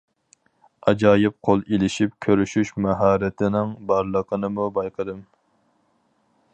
ئاجايىپ قول ئېلىشىپ كۆرۈشۈش ماھارىتىنىڭ بارلىقىنىمۇ بايقىدىم.